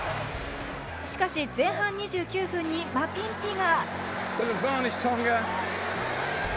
しかし前半２９分にマピンピが。